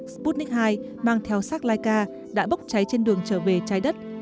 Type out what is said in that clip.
sputnik hai mang theo sác laika đã bốc cháy trên đường trở về trái đất